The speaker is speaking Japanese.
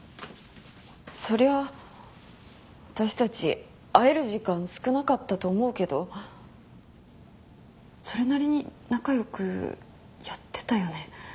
そりゃ私たち会える時間少なかったと思うけどそれなりに仲良くやってたよね？